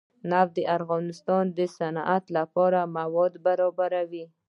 نفت د افغانستان د صنعت لپاره مواد برابروي.